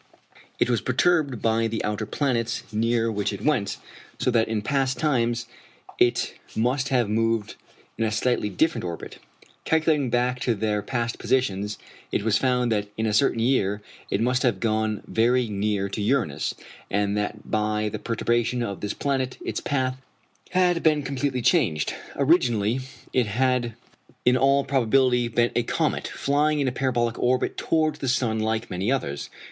It was perturbed by the outer planets near which it went, so that in past times it must have moved in a slightly different orbit. Calculating back to their past positions, it was found that in a certain year it must have gone very near to Uranus, and that by the perturbation of this planet its path had been completely changed. Originally it had in all probability been a comet, flying in a parabolic orbit towards the sun like many others.